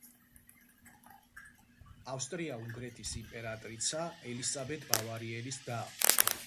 ავსტრია-უნგრეთის იმპერატრიცა ელისაბედ ბავარიელის და.